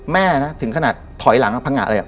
แม่นะถึงขนาดถอยหลังพังงะเลย